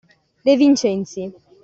De Vincenzi.